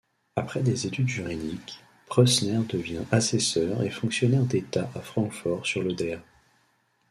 Après des études juridiques, Preussner devient assesseur et fonctionnaire d'État à Francfort sur l'Oder.